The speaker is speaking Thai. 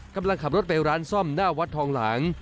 กำลังขับรถไปร้านซ่อมหน้าวัดทองหลาง